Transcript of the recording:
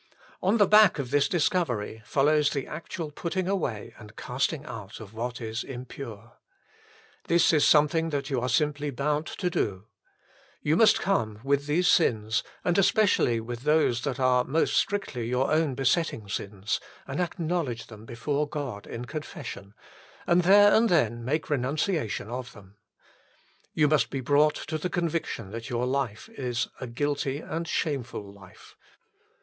On the back of this discovery follows the actual putting away and casting out of what is impure. This is something that you are simply bound to do. You must come with these sins, and especially with those that are most strictly your own besetting sins, and acknowledge them before God in confession, and there and then make renunciation of them. You must be brought to the conviction that your life is a guilty and shameful life.